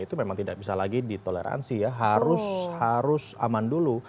itu memang tidak bisa lagi ditoleransi ya harus aman dulu